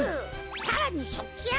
さらにしょっきあらい！